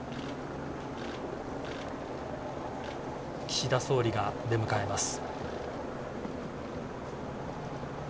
岸田総理が出迎えます。